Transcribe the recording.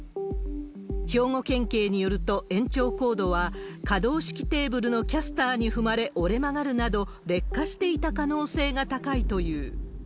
兵庫県警によると、延長コードは可動式テーブルのキャスターに踏まれ、折れ曲がるなど劣化していた可能性が高いという。